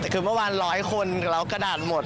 คือเมื่อวาน๑๐๐คนแล้วกระดาษหมด